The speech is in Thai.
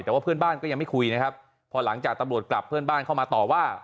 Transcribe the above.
แต่ว่าเพื่อนบ้านก็ยังไม่คุยนะครับพอหลังจากตำรวจกลับเพื่อนบ้านเข้ามาต่อว่า